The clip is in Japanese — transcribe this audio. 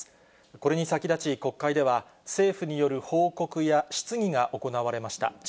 これに先立ち、国会では、政府による報告や質疑が行われました。